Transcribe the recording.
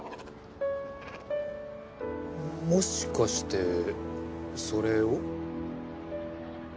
もしかしてそれを